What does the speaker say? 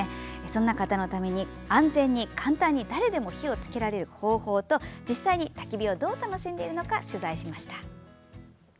そんな方のために安全に簡単にたき火を楽しめる方法と実際にたき火をどう楽しんでいるのか取材しました。